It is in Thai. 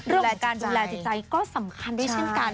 เรื่องของการดูแลจิตใจก็สำคัญด้วยเช่นกัน